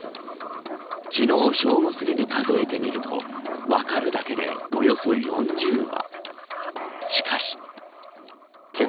昨日、正午すぎに数えてみると分かるだけでおよそ４０羽。